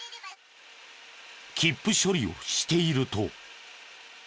切符処理をしていると。